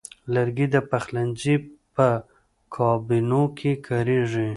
لرګی د پخلنځي په کابینو کې کاریږي.